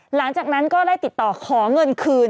หลังจากนั้นก็ได้ติดต่อขอเงินคืน